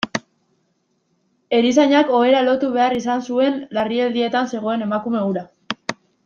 Erizainak ohera lotu behar izan zuen larrialdietan zegoen emakume hura.